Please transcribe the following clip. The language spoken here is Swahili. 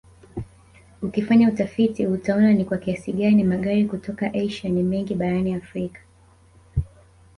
Ukifanya utafiti utaona ni kwa kiasi gani magari kutoka Asia ni mengi barani Afrika